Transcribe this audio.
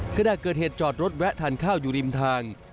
ขณะเกิดเหตุจอดรถแวะทานข้าวอยู่ริมทาง